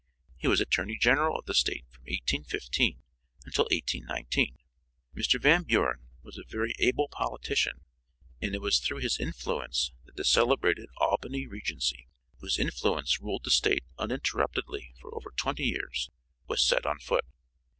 He was attorney general of the State from 1815 until 1819. Mr. Van Buren was a very able politician and it was through his influence that the celebrated 'Albany Regency,' whose influence ruled the State uninterruptedly for over twenty years, was set on foot.